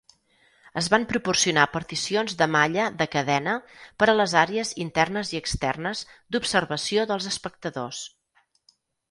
Es van proporcionar particions de malla de cadena per a les àrees "internes" i "externes" d'observació dels espectadors.